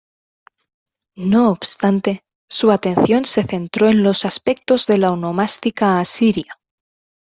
No obstante, su atención se centró en los aspectos de la onomástica asiria.